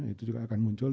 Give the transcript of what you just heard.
itu juga akan muncul